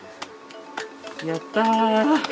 やった。